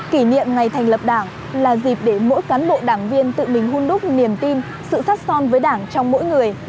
kỷ niệm ngày thành lập đảng là dịp để mỗi cán bộ đảng viên tự mình hôn đúc niềm tin sự sát son với đảng trong mỗi người